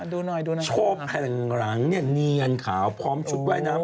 ดูหน่อยค่ะชอบแห่งหลังเนียนขาวพร้อมชุดว่ายน้ำ